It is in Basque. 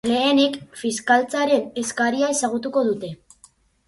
Lehenik fiskaltzaren eskaria ezagutuko dute.